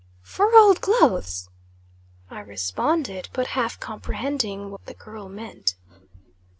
"For old clothes?" I responded, but half comprehending what the girl meant.